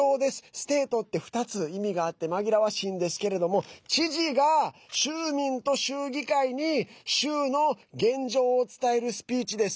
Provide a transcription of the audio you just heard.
Ｓｔａｔｅって２つ意味があって紛らわしいんですけれども知事が、州民と州議会に州の現状を伝えるスピーチです。